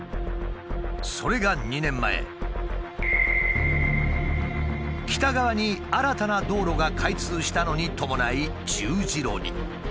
それが２年前北側に新たな道路が開通したのに伴い十字路に。